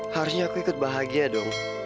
harusnya aku ikut bahagia dong